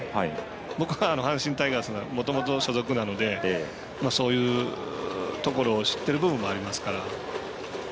僕は阪神タイガースがもともとの所属なのでそういうところを知ってる部分もありますから。